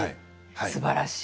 すばらしい。